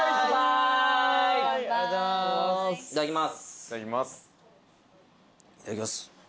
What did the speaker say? いただきます。